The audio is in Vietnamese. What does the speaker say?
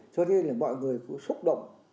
cho nên mọi người cũng xúc động